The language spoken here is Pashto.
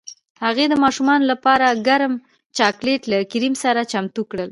هغې د ماشومانو لپاره ګرم چاکلیټ له کریم سره چمتو کړل